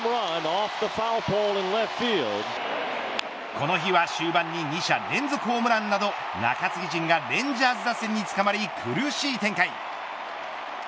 この日は終盤に２者連続ホームランなど中継ぎ陣がレンジャーズ打線につかまり苦しい展開。